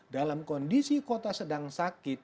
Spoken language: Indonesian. dalam kondisi kota sedang sakit